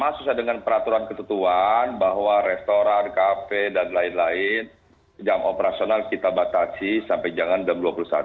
sama susah dengan peraturan ketentuan bahwa restoran kafe dan lain lain jam operasional kita batasi sampai jangan jam dua puluh satu